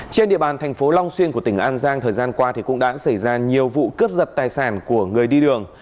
trên địa bàn thành phố long xuyên của tỉnh an giang thời gian qua cũng đã xảy ra nhiều vụ cướp giật tài sản của người đi đường